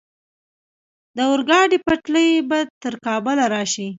د اورګاډي پټلۍ به تر کابل راشي؟